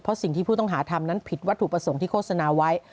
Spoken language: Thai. เพราะสิ่งที่ผู้ต้องหาทำนั้นผิดวัตถุประสงค์ที่โฆษณาไว้